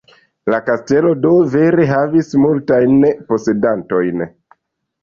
La kastelo do vere havis multajn posedantojn.